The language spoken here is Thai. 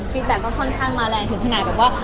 แบ็คก็ค่อนข้างมาแรงถึงขนาดแบบว่า